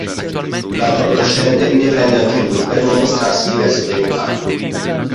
L'altro adolescente ne prende anche lui per non mostrarsi diverso dai compagni.